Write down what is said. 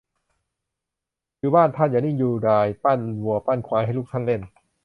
อยู่บ้านท่านอย่านิ่งดูดาย ปั้นวัวปั้นควายให้ลูกท่านเล่น